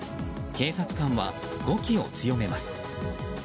警察官は語気を強めます。